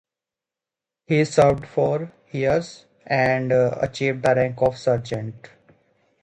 He served for four years and achieved the rank of Sergeant.